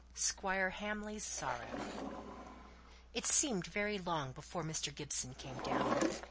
SQUIRE HAMLEY'S SORROW. It seemed very long before Mr. Gibson came down.